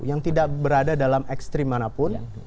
yang tidak berada dalam ekstrim manapun